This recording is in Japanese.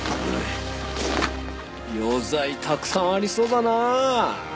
余罪たくさんありそうだなあ。